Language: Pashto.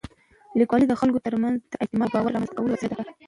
لیکوالی د خلکو تر منځ د اعتماد او باور رامنځته کولو وسیله ده.